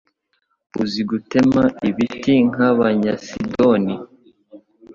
uzi gutema ibiti nk Abanyasidoni